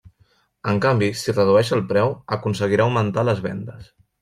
En canvi, si redueix el preu, aconseguirà augmentar les vendes.